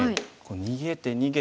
逃げて逃げて。